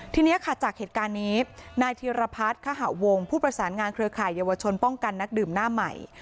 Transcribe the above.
ทีนี้ค่ะจากเหตุการณ์นี้นายธีรพัฒน์ควงผู้ประสานงานเครือข่ายเยาวชนป้องกันนักดื่มหน้าใหม่